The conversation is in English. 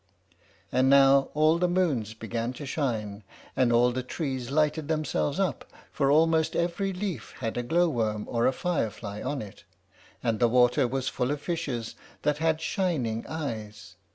And now all the moons began to shine, and all the trees lighted themselves up, for almost every leaf had a glowworm or a fire fly on it, and the water was full of fishes that had shining eyes.